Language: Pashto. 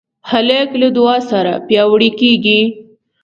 هلک له دعا سره پیاوړی کېږي.